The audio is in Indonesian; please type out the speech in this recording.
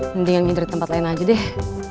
mendingan minder tempat lain aja deh